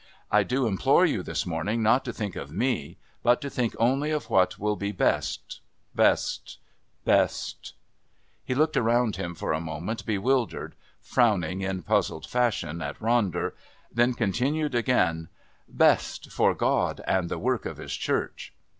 I do implore you this morning not to think of me, but to think only of what will be best best best " He looked around him for a moment bewildered, frowning in puzzled fashion at Ronder, then continued again, "best for God and the work of His Church.